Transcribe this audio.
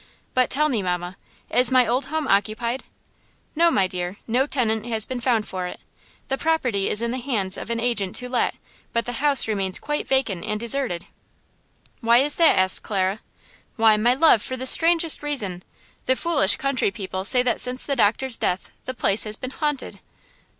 But tell me, mamma, is my old home occupied?" "No, my dear; no tenant has been found for it. The property is in the hands of an agent to let, but the house remains quite vacant and deserted." "Why is that?" asked Clara. "Why, my love, for the strangest reason! The foolish country people say that since the doctor's death the place has been haunted!"